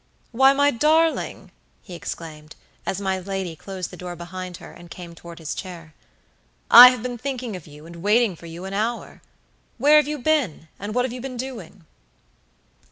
"Why, my darling!" he exclaimed, as my lady closed the door behind her, and came toward his chair, "I have been thinking of you and waiting for you for an hour. Where have you been, and what have you been doing?"